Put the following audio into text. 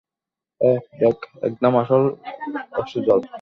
অহ, দেখ, একদম আসল অশ্রুজল।